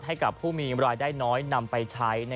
ให้กับผู้มีรายได้น้อยนำไปใช้